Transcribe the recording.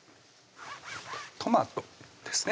トマトですね